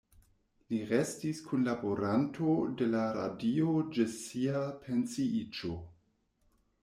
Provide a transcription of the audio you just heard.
Li restis kunlaboranto de la radio ĝis sia pensiiĝo.